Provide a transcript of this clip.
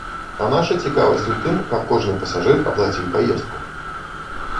А наша цікавасць у тым, каб кожны пасажыр аплаціў паездку.